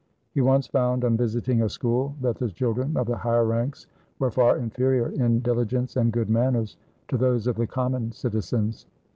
He once found, on visiting a school, that the children of the higher ranks were far inferior in dihgence and good manners to those of the common citi zens.